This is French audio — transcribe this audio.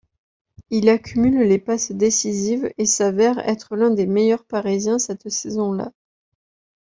Il accumule les passes décisives et s’avère être l’un des meilleurs Parisiens cette saison-là.